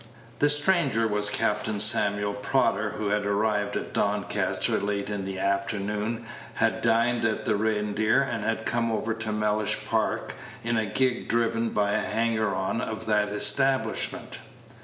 The stranger was Captain Samuel Prodder, who had arrived at Doncaster late in the afternoon, had dined at the "Reindeer," and had come over to Mellish Park in a gig driven by a hanger on of that establishment.